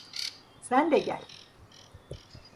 Sen de gel.